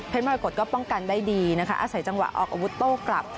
มรกฏก็ป้องกันได้ดีนะคะอาศัยจังหวะออกอาวุธโต้กลับ